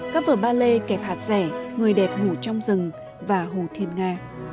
các vở ballet kẹp hạt rẻ người đẹp ngủ trong rừng và hồ thiên nga